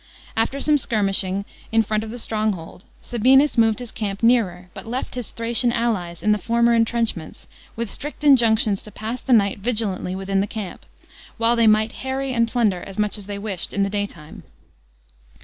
After some skirmishing in front of the stronghold, Sabinus moved his camp nearer, but left his Thracian allies in the former entrenchments, with strict injunctions to pass the night vigilantly within the camp, while they might harry and plunder as much as they wished in the daytime.